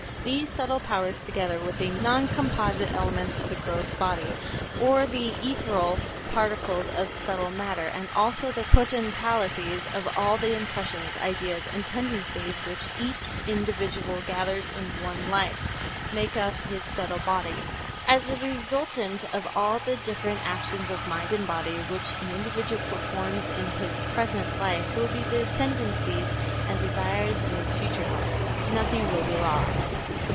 These subtle powers together with the non composite elements of the gross body, or the ethereal particles of subtle matter, and also with the potentialities of all the impressions, ideas and tendencies which each individual gathers in one life, make up his subtle body. As a resultant of all the different actions of mind and body which an individual performs in his present life, will be the tendencies and desires in his future life; nothing will be lost.